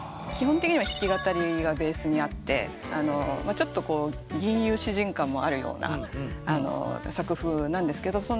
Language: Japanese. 基本的には弾き語りがベースにあってちょっと吟遊詩人感もあるような作風なんですけど。